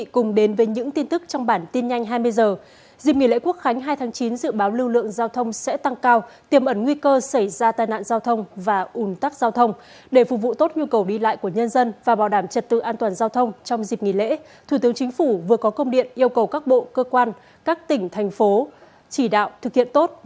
chào mừng quý vị đến với bản tin nhanh hai mươi h